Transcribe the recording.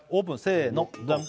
せーのドン！